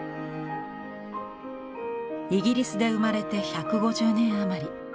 イギリスで生まれて１５０年余り。